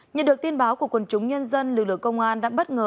nhận được tin báo của quần chúng nhân dân lực lượng công an đã bất ngờ